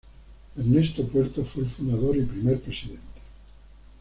Ernesto Puerto, fue el fundador y primer presidente.